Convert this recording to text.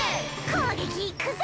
こうげきいくぞ！